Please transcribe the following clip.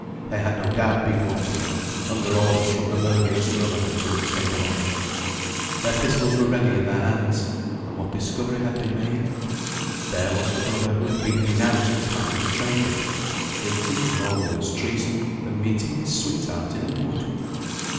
They had no doubt been watching him, under orders from the murderous brotherhood to which they belonged. Their pistols were ready in their hands and what discovery had they made? There was the brother who had been denounced as having betrayed them, guilty of no worse treason than meeting his sweetheart in a wood!